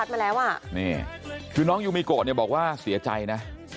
พัดมาแล้วนี่คือน้องยูมโมโกะบอกว่าเสียใจนะ